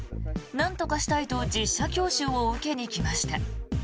なんとかしたいと実車教習を受けに来ました。